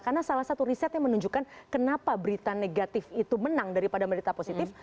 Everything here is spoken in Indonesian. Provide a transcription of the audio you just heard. karena salah satu riset yang menunjukkan kenapa berita negatif itu menang daripada berita positif